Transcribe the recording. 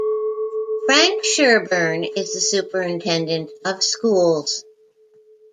Frank Sherburne is the Superintendent of Schools.